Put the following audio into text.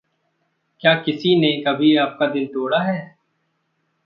क्या किसी ने कभी आपका दिल तोड़ा है?